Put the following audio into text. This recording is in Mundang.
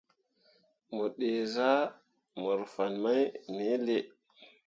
Mo dǝ zahmor te fan mai me lii.